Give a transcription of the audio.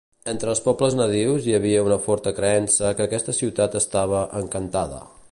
Entre els pobles nadius hi havia una forta creença que aquesta ciutat estava "encantada".